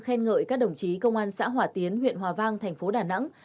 khen ngợi các đồng chí công an xã hòa tiến huyện hòa vang thành phố đà nẵng